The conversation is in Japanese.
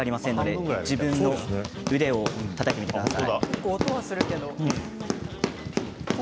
ご自身の腕をたたいてみてください。